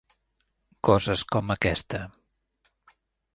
Coses com aquesta.